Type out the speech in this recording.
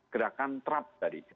gerakan terap tadi